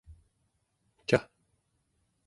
ca